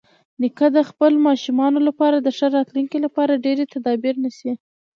نیکه د خپلو ماشومانو لپاره د ښه راتلونکي لپاره ډېری تدابیر نیسي.